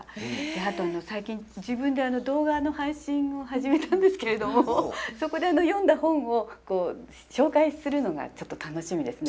あと最近自分で動画の配信を始めたんですけれどもそこで読んだ本を紹介するのがちょっと楽しみですね。